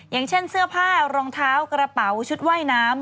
อย่างเช่นเสื้อผ้ารองเท้ากระเป๋าชุดว่ายน้ำ